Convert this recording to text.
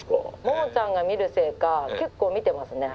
モモちゃんが見るせいか結構見てますね。